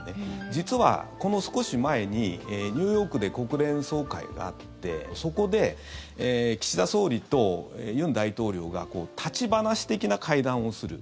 実は、この少し前にニューヨークで国連総会があってそこで岸田総理と尹大統領が立ち話的な会談をする。